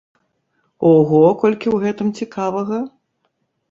Ого, колькі ў гэтым цікавага!